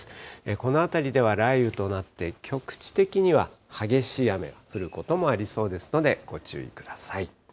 この辺りでは雷雨となって、局地的には激しい雨が降ることもありそうですので、ご注意ください。